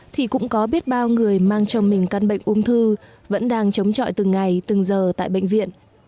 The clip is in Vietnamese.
thì cũng có biết bao người mang trong mình căn bệnh ung thư vẫn đang chống chọi từng ngày từng giờ tại bệnh viện